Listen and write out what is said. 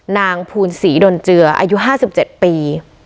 นางภูนศรีดนเจืออายุ๕๗ปี